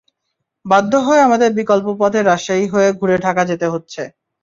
বাধ্য হয়ে আমাদের বিকল্প পথে রাজশাহী হয়ে ঘুরে ঢাকা যেতে হচ্ছে।